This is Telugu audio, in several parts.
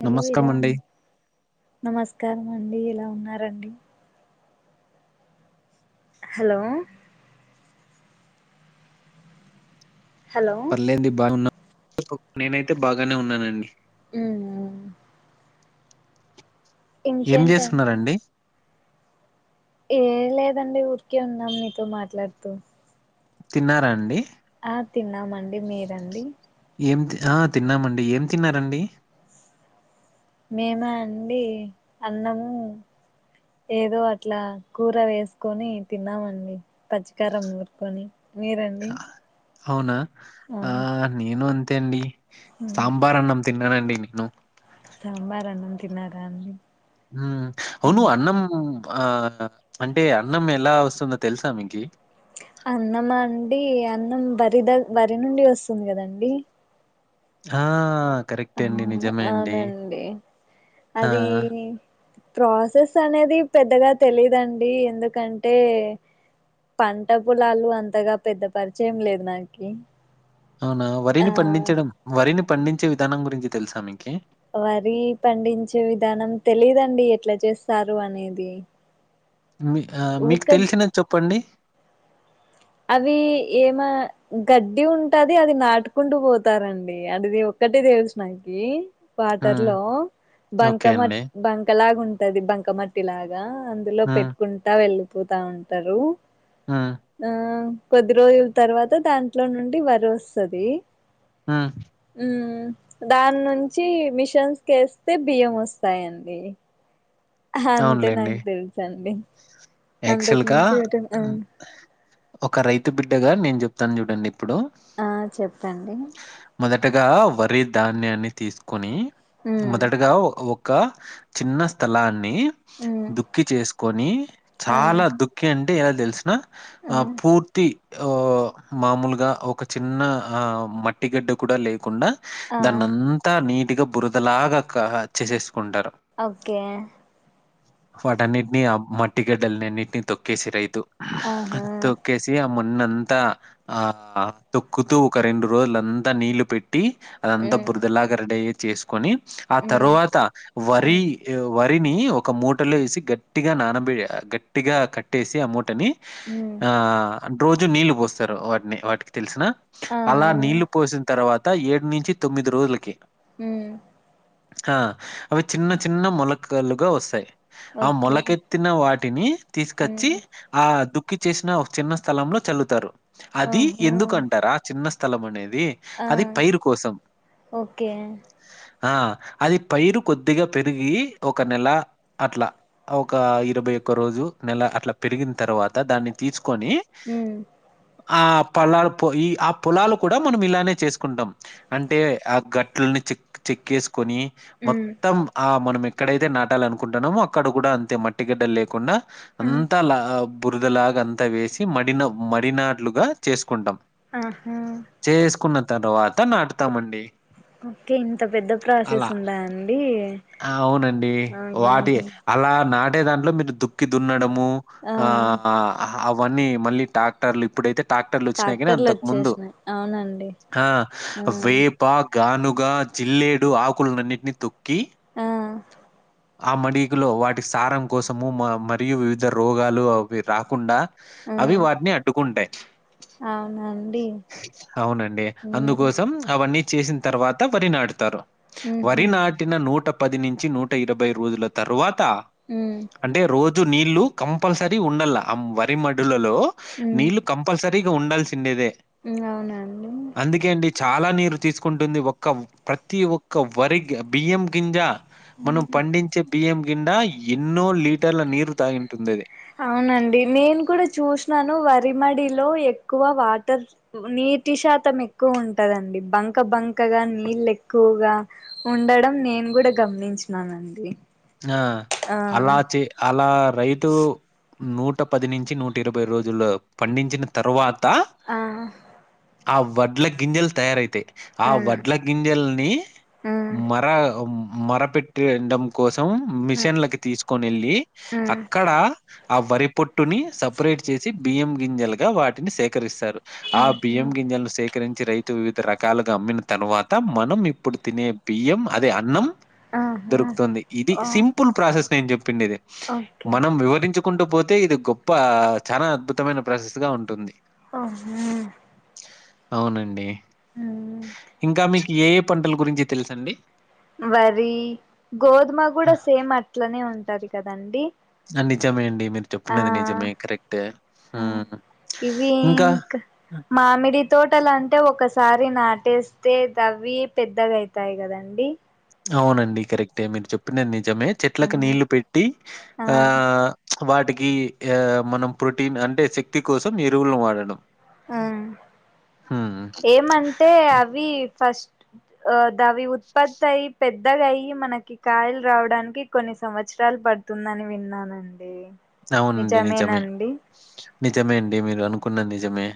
హలో నమస్కారం ఇలా అండి నమస్కారం అండి ఎలా ఉన్నారండి హాలో హలో పర్లేదండి బాగానేఉన్న నేనైతే బాగానే ఉన్నానండి ఉమ్ ఏం ఇంకేంట చేస్తున్నారండి ఏం లేదండి ఊరికే ఉన్నాం మీతో మాట్లాడతా తిన్నారా అండి ఆ తిన్నామండి మీరండి ఆ తిన్నామండి ఏం తిన్నారండి మేమా అండి అన్నము ఏదో అట్లా కూర వేసుకొని తిన్నామండి పచ్చికారం నూరుకొని మీరండి ఆ, అవునా ఆ నేను అంతే అండి సాంబార్ అన్నాం తిన్న తినండి నిన్ను సాంబార్ అన్నం తిన్నారా అండి హమ్ అవును అన్నం ఆ అన్నం అంటే అన్నం ఎలా వస్తుందో తెలుసా మీకి అన్నమా అండి అన్నం వరి ద వరి నుండి వస్తుంది కదండి ఆ ఆ కరెక్టే అండి అవును నిజమే అండి అవునండి ఆ అది ప్రాసెస్ అనేది పెద్దగా తెలీదండి ఎందుకంటే పంట పొలాలు అంతగా పెద్ద పరిచయం లేదు నాకి అవునా ఆ వరిని పండించడం వరిని పండించే విధానం గురించి తెలుసా మీకి వరి పండించే విధానం తెలిదండి ఎట్లా చేస్తారు అనేది మీ మీకు ఊర్క తెలిసినది చెప్పండి అవి ఏమ గడ్డి ఉంటాది అది నాటుకుంటూ పోతారండి అదిది ఒక్కటే తెలుసు నాకి వాటర్ మ్మ్. లో బంక ఓకే అండి మట్ బంక లాగా ఉంటాది బంక మట్టి లాగా అ ఇందులో హ్మ్. పెట్టుకుంటా వెళ్ళిపోతా ఉంటారు ఆ ఆ కొద్ది రోజుల తర్వాత దాంట్లో నుండి వరి వస్తది ఆమ్ ఉమ్ దాని నుంచి మిషన్స్ కి వేస్తే బియ్యం వస్తాయండి అంతే నాకు తెలుసండి అంతకు యాక్టువల్గా మించి ఎటు ఒక రైతు బిడ్డ గా నేను చెప్తాను చూడండి ఇప్పుడు ఆ చెప్పండి మొదటగా వరి ధాన్యాన్ని తీసుకొని ఉమ్ మొదటగా ఒ ఒక చిన్న స్థలాన్ని ఉమ్ దుక్కి చేసు కొని ఆ చాలా దుక్కి అంటే ఎలా తెలిసిన ఆ పూర్తి ఓ మామూలుగా ఒక చిన్న ఆ మట్టిగడ్డ కూడా లేకుండా ఆ దాన్ని అంతా నీట్గా బురదలాగా చేసేసుకుంటారు. ఓకే వాటన్నిటినీ ఆ మట్టిగడ్డలన్నిటినీ తొక్కేసిరైతు ఆహా అది తోకేసిన్నపుడు మొన్న అంతా ఆ తొక్కుతూ ఒక రెండు రోజులంతా నీళ్లు పెట్టి అదంతా మ్మ్ బురదలాగ రెడీ చేసుకొని ఆ మ్మ్ తరువాత వరి మ్మ్ వరిని ఒక మూటలో వేసి గట్టిగా నానబె గట్టిగా కట్టి కట్టేసి ఆ మూటని మ్మ్ ఆ రోజు నీళ్ళు పోస్తారు వాటిని వాటికి తెలిసిన ఆ అలా నీళ్లు పోసిన తర్వాత ఏడు నుంచి తొమ్మిది రోజులకి హు ఆ అవి చిన్న చిన్న మొలకలుగా వస్తాయి ఓకే కెత్తిన వాటిని తీసుకొచ్చి మ్మ్ ఆ దుక్కి చేసిన ఒక చిన్న స్థలంలో చల్లుతారు అది ఆహా ఎందుకంటారా చిన్న స్థలం అనేది ఆ అది పైరు కోసం ఓకే ఆ అది పైరు కొద్దిగా పెరిగి ఒక నెల అట్లా ఒక ఇరవై ఒక్క రోజు నెల అట్లా పెరిగిన తర్వాత దాన్ని తీసుకొని మ్మ్ ఆ పొలాలుకి పోయి ఆ పొలాలు కూడా మనం ఇలానే చేసుకుంటాం అంటే ఆ గట్లని చి చెక్ వేసుకొని మ్మ్ మొత్తం ఆ మనం ఎక్కడైతే నాటాలనుకుంటాన్నామో అక్కడ కూడా అంతే మట్టిగడ్డలు లేకుండా మ్మ్ అంతా లా బురదలాగా అంతా వేసి మడిన మడినాట్లుగా చేసుకుంటాం ఆహా చేసుకున్న తర్వాత నాటుతామండి ఓకే ఇంత పెద్ద ప్రాసెస్ అలా ఉందా అండి అవునండి ఆహా వాటి అలా నాటే దాంట్లో మీరు దుక్కి దున్నడము ఆ అవన్నీ మళ్ళీ టాక్టర్లు ఇప్పుడైతే ట్రాక్టర్లు వచ్చినాయి కానీ ట్రాక్టర్లు అంతకు ముందు వచ్చేసినాయి అవునండి వే మ్మ్ ప గానుగా జిల్లేడు ఆకులన్నిటిని తొక్కి ఆ ఆ మడిగులో వాటికి సారం కోసము మరియు వివిధ రోగాలు అవి రాకుండా అవి వాటిని అడ్డుకుంటాయి అవునా అండి అవునండి అందుకోసం అవన్నీ చేసిన తర్వాత వరి నాటుతారు మ్మ్ వరి హ్మ్ నాటిన నూట పది నుంచి నూట ఇరవై రోజుల తర్వాత హు అంటే రోజు నీళ్లు కంపల్సరీ ఉండలా ఆ వరి మడులలో ఉమ్ నీళ్లు కంపల్సరీగా ఉండాల్సిండేదే అవునా అండి అందుకే అండి చాలా నీరు తీసుకుంటుంది ఒక ప్రతి ఒక్క వరి బియ్యం గింజ మనం పండించ బియ్యం కిండా ఎన్నో లీటర్ల నీరు తాగింటుందది అవునండి నేను కూడా చూసినాను వరిమడిలో ఎక్కువ వాటర్ నీటి శాతం ఎక్కువ ఉంటదండి బంక బంకగా నీళ్ళ ఎక్కువగా ఉండడం నేను కూడా గమనించినానండి ఆ ఆ అలా చే అలా రైతు నూట పది నుంచి నూట ఇరవై రోజులు పండించిన తర్వాత ఆ ఆ వడ్ల గింజెల్ తయారైతయ్ ఆ ఉమ్ వడ్ల గింజల్ని ఉమ్ మర మర పెట్టి కోసం ఉ మిషన్లకి తీసుకొని వెళ్ళి ఉమ్ అక్కడ ఆ వరి పొట్టుని సపరేట్ చేసి బియ్యం గింజలుగా వాటిని సేకరిస్తారు ఆ ఉహు బియం గింజల్ను సే కరించి రైతు వివిధ రకాలుగా అమ్మిన తర్వాత మనం ఇప్పుడు తినే బియ్యం అదే అన్నం ఆహా దొరుకుతుంది ఇది ఓ సింపుల్ ప్రాసెస్ నేను చెప్పిండేది ఇది ఓకే మనం వివరించు కుంటూ పోతే ఇది గొప్ప చాలా అద్భుతమైన ప్రాసెస్ గా ఉంటుంది ఆహ అవునండి ఉమ్ ఇంకా మీకు ఏ ఏ పంటల గురించి తెలుసండి వరి గోధుమ కూడా సేమ్ అట్లనే ఉంటది కదండి నిజమే అండి మీరు ఆ చెప్పినది నిజమే కరెక్ట్ ఉ ఇవి ఇంకా ఇంక్ మామిడి తోటలంటే ఒకసారి నాటేస్తే తవ్వి పెద్దగాయితాయి కదండి అవునండి కరెక్టే మీరు చెప్పినది నిజమే ఆ చెట్లకు నీళ్లు పెట్టి ఆ వాటికి ఆ మనం ప్రొటీన్ అంటే శక్తి కోసం ఎరువులను వాడడం ఆ హ ఏమంటే అవి ఫస్ట్ ఆ దవి ఉత్పత్తి అయ్ పెద్దగా అయ్ మనకి ఈ కాయలు రావడానికి కొన్ని సంవత్సరాలు పడుతుందని విన్నానండి అవునండి నిజమే నిజమేనండి నిజమే అండి మీరు అనుకున్న నిజమే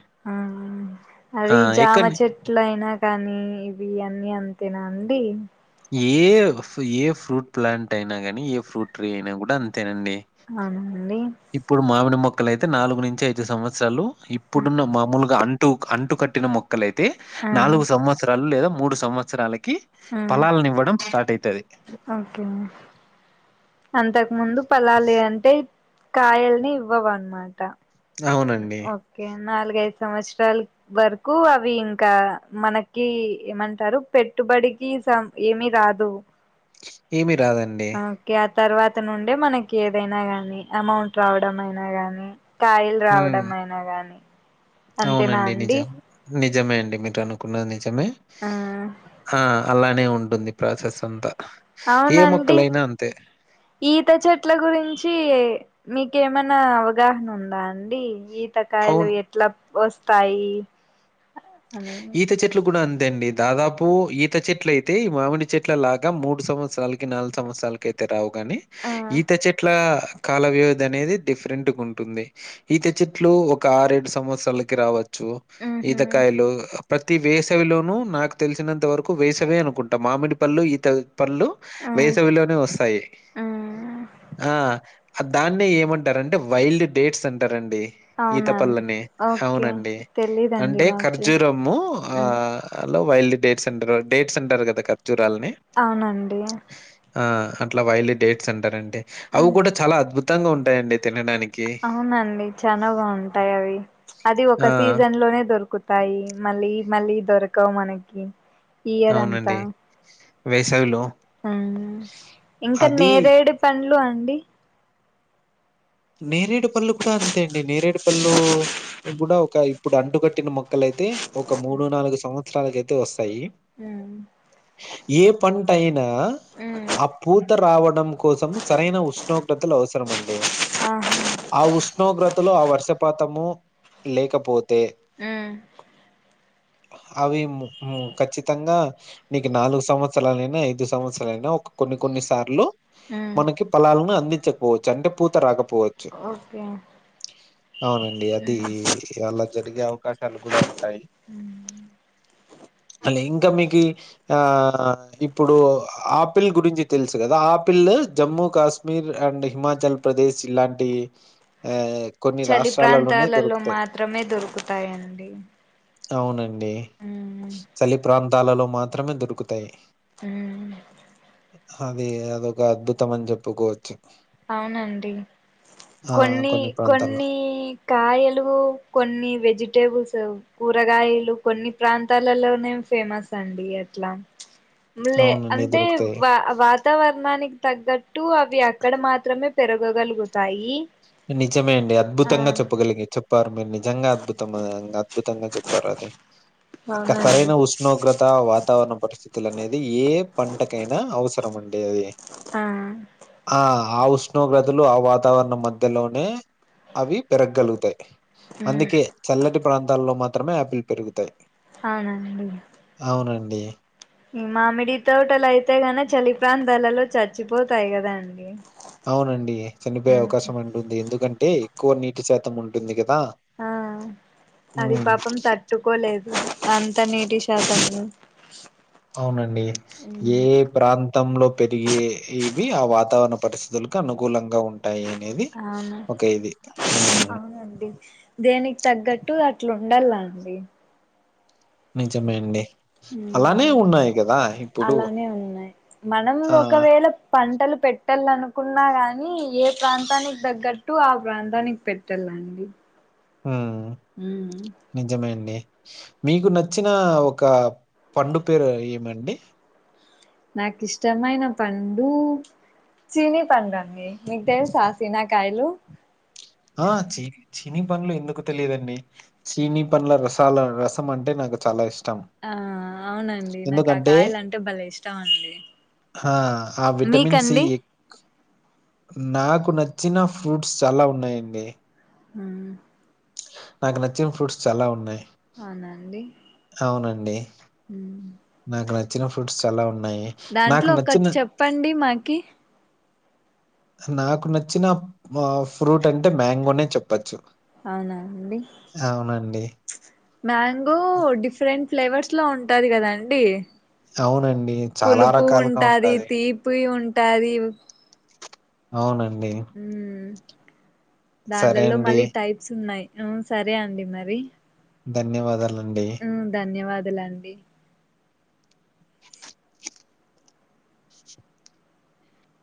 ఆ! అది జామ ఎక్కడని చెట్ ట్ల అయినా కానీ ఇవి అన్ని అంతేనా అండి ఏ ఏ ఫ్రూట్ ప్లాంట్ అయినా గానీ ఏ ఫ్రూట్ ట్రీ అయినా కూడా అంతేనండి అవునండి ఇప్పుడు మామిడి మొక్కలు అయితే నాలుగు నుంచి ఐదు సంవత్సరాలు ఇప్పుడున్న మామూలుగా అన్ టు అంటు కట్టిన మొక్కలైతే ఆ నాలుగు సంవత్సరాలు లేదా మూడు సంవత్సరాలకి ఆ పలాలను ఇవ్వడం స్టార్ట్ అయితది ఓకే అంతకు ముందు పలాలి అంటే కాయల్ని ఇవ్వవన్మాట అవునండి. ఓకే నాలుగైదు సంవత్సరాలు వరకు అవి ఇంకా మనకి ఏమంటారు పెట్టుబడికి సం ఏమి రాదు ఏమి రాదన్ ఓకే ఆ తర్వాత నుండే మనకి ఏదైనా గాని అమౌంట్ రావడం అయినా గానీ కాయలు హ్మ్. రావడం అయినా గానీ అవునండి నిజం నిజమే అండి మీరు అను కున్నది నిజమే ఆ ఆ అలానే ఉంటుంది ప్రాసెస్ అంతా ఏ అవునండి మొక్కలైనా అంతే. ఈత చెట్ల గురించి మీకేమైనా అవగాహన ఉందా అండి ఈ తకాయలు అవును. ఎట్లా వస్తాయి అని ఈత చెట్ కూడా అంతె అండి దాదాపు ఈత చెట్లయితే ఈ మామిడి చెట్ల లాగా మూడు సంవత్సరాలకి నాలుగు సంవత్సరాల అయితే రావు గాని ఆ ఈత చెట్ల కాల వ్యవధి అనేది డిఫరెంట్గా ఉంటుంది ఈత చెట్లు ఒక ఆరేడు సంవత్సరాలకి రావచ్చు ఉహు ఈతకాయలు ప్రతి వేసవిలోనూ నాకు తెలిసినంత వరకు వేసవే అనుకుంటాం మామిడి పళ్ళు ఈత పళ్ళు ఆ వేసవిలోనే వస్తాయి ఆ ఆ దాన్నే ఏమంటారంటే వైల్డ్ డేట్స్ అంటారండి ఈత అవునండి పల్లని ఓకే అవునండి తెలీదండి అంటే ఖర్జు నాకి ర్జూరమ్ము ఆ ఉమ్ లో wild date centre date centre కదా ఖర్జూరాలని అవునండి ఆ అట్లా వైల్ డేట్స్ అంటారంటే అవి ఉమ్ కూడా చాలా అద్భుతంగా ఉంటాయండి తినడాని అవునండి చాలా బాగుంటాయి అవి అది ఆ! ఒక సీజన్ లోనే దొరుకుత్ తయి మళ్ళీ మళ్ళీ దొరకవు మనకి ఇయర్ అవునండి వేసావిలో ఆ ఇంకా నేరేడు పండ్లు అండి నేరేడు పళ్ళు కూడా అంతే అండి నేరేడు పళ్ళు కూడా ఒక ఇ ఇప్పుడు అంటుకట్టిన మొక్కల అయితే ఒక మూడు నాలుగు సంవత్సరాలకు అయితే వస్తాయి మ్ ఏ పంట అయినా ఉమ్ ఆ పూత రావడం కోసం సరైన ఉష్ణోగ్రతలు అవసరం అండి ఆహా ఆ ఉష్ణోగ్రత్ తలో ఆ వర్షపాతము లేకపోతే ఆ అవి మ్ ఖచ్చితంగా నీకు నాలుగు సంవత్సరాలైనా ఐదు సంవత్సరాలైనా ఒక కొన్ని కొన్ని సార్లు ఉమ్ మనకి ఫలాలను అందించకపోవచ్చు అంటే పూత రాకపోవచ్చు ఓకే అవునండి అది ఉమ్ అలా జరిగే అవకాశాలు కూడా ఉంటాయి ఉ అలే ఇంకా మీకి ఆ ఇప్పుడు ఆపిల్ గురించి తెలుసు కదా apple Jammu Kashmir and Himachal Pradesh ఇలాంటి ఆ కొన్ని చలి రాష్ట్రాలలోనే ప్రాంతాలలో దొరుకుతాయి మాత్రమే దొరుకుతాయండి అవునండి ఉమ్ చలి ప్రాంతాలలో మాత్రమే దొరుకుతాయి మ్ అది అదొక అద్భుతం అని చెప్పుకోవచ్చు అవునండి ఆ కొన్ని ప్రాంతాల్లో కొన్ని కాయలు కొన్ని వెజిటేబుల్స్ కూరగాయలు కొన్ని ప్రాంతాలలోనే ఫేమస్ అండి అట్లా మ్లే అవునండి అంటే దొరుకుతాయి వా వాతావరణానికి తగ్గట్టు అవి ఆట్ క్కడ మాత్రమే పెరగగలుగుతాయి నిజమే అండి ఆ అద్భుతంగా చెప్పగలిగే చెప్ ప్పారు మీరు నిజంగా అద్భుత అద్భుతంగా చెప్పారు అది ఇంకా అవునండి సరైన ఉష్ ష్ణోగ్రత వాతావరణ పరిస్థితులు అనేది ఏ పంటకైనా అవసరం అండి అది ఆ ఆ ఆ ఉష్ణోగ్రతలు ఆ వాతావరణం మధ్ ధ్యలోనే అవి పెరగగలుగుతాయి ఉమ్ అందుకే చల్లటి ప్రాంతాల్లో మాత్రమే ఆపిల్ పెరుగుతాయి అవునండి అవునండి ఈ మామిడి తోటలు అయితే గనే చలి ప్రాంతాలలో చచ్చిపోతాయి కదాండి అవునండి చనిపోయే అవకాశం ఉంటుంది ఎందుకంటే ఎక్కువ నీటి శాతం ఉంటుంది కదా ఆ అది ఉమ్ పాపం తట్టుకోలేదు అంత నీటి శాతము అవునండి ఏ ప్రాంతంలో పెరిగేవి ఆ వాతావరణ పరిస్థితులకి అనుకూలంగా టాయి అనేది ఒక ఇది అండి దేనికి తగ్గట్టు అట్లా ఉండాలండి నిజమే అండి అలానే ఉమ్ ఉన్నాయి గదా! ఇప్పుడు అలానే ఉన్నాయి మనం ఆ! ఒకవేళ పంటలు పెట్టాలనుకున్నా కాని ఏ ప్రాంతానికి తగ్గట్టు ఆ ప్రాంతానికి పెట్ ట్టల్లాండి ఆ హ నిజమే అండి మీకు నచ్చిన ఒక పండు పేరు ఏమండి నాకు ఇష్టమైన పండు సీని పండడి మీకు తెలుస సీనకాయలు ఆ చి చిని పండ్లు ఎందుకు తెలియదండి చీనీ పండ్ల రసాల రసం అంటే నాకు చాలా ఇష్టం ఆ అవునండి నాకు ఆ ఎందుకంటే కాయలు అంటే బలే ఇష్టం అండి ఆ ఆ విటమిన్ సి మీకండి ఎక్- నాకు నచ్చిన ఫ్రూట్స్ చాలా ఉన్నాయండి అ నాకు నచ్చిన ఫ్రూట్స్ చాలా ఉన్నాయి అవునా అండి అవునండి హ నాకు నచ్చిన ఫ్రూట్స్ చాలా ఉన్నాయి నాకు దాంట్లో నచ్చిన ఒకటి చెప్పండి మాకి నాకు నచ్చిన ఆ ఫ్రూట్ అంటే మ్యాంగోనే చెప్పచ్చు అవునా అండి మ్యాంగో డిఫరెంట్ ఫ్లేవర్స్ లో ఉంటది కదా అండి అవునండి. చాలా పులుపు రకాలుగా ఉంటాది తీపి ఉంటది అవునండి ఉమ్ సరే దాంట్లల్లో అండి. మళ్ళీ టైప్స్ ఉన్నాయి సరే అండి మరి ధన్యవాదాలండి ఉమ్ ధన్యవాదలండి